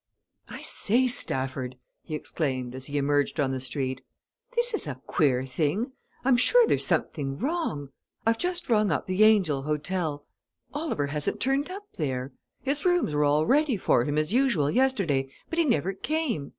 "I say, Stafford!" he exclaimed, as he emerged on the street. "This is a queer thing! I'm sure there's something wrong. I've just rung up the 'Angel' hotel. Oliver hasn't turned up there! His rooms were all ready for him as usual yesterday, but he never came.